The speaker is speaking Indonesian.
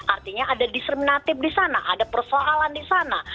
artinya ada diskriminatif di sana ada persoalan di sana